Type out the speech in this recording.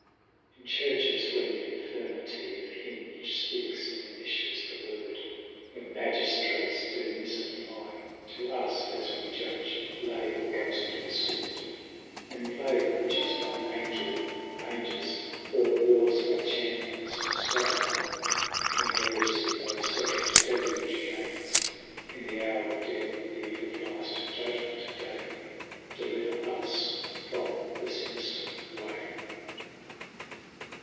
In Churches, when the'infirmitie 190 Of him which fpeakes, diminishes the Word, When Magiftrates doe mif apply To us, as we judge, lay or ghoftly fword, When plague, which is thine Angell, raignes, Or wars, thy Champions, fwaie, 195 When Herefie, thy fecond deluge, gaines ; In th'houre of death, the'Eve of laft judgement day, Deliver us from the finifter way.